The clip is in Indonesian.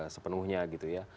sepenuhnya gitu ya